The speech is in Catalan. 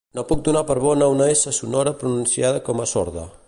No puc donar per bona una essa sonora pronunciada com a sorda